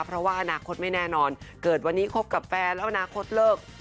เพราะว่าอนาคตไม่แน่นอนเกิดวันนี้คบกับแฟนแล้วอนาคตเลิก